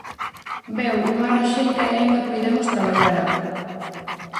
Veu unha raxeira e aínda puidemos traballar algo.